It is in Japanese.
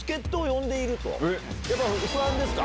やっぱ不安ですか？